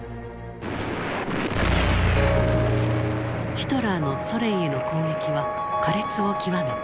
ヒトラーのソ連への攻撃は苛烈を極めた。